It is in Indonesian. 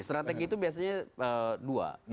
strategi itu biasanya dua